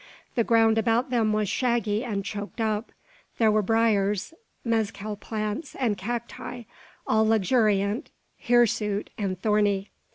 The ground about them was shaggy and choked up. There were briars, mezcal plants, and cacti all luxuriant, hirsute, and thorny.